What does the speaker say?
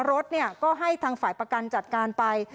รถก็ให้ทางฝ่ายประกันจัดการไป